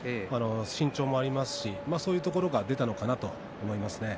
身長もありますしそういうところが出たのかなと思います。